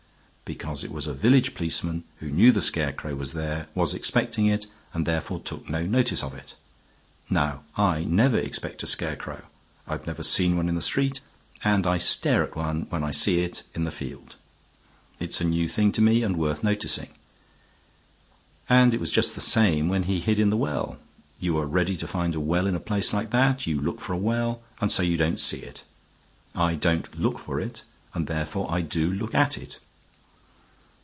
Because it was a village policeman who knew the scarecrow was there, was expecting it, and therefore took no notice of it. Now I never expect a scarecrow. I've never seen one in the street, and I stare at one when I see it in the field. It's a new thing to me and worth noticing. And it was just the same when he hid in the well. You are ready to find a well in a place like that; you look for a well, and so you don't see it. I don't look for it, and therefore I do look at it."